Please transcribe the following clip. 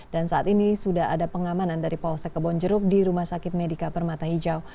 dan saat ini sudah ada pengamanan dari polsek kebonjerub di rumah sakit medica permata hijau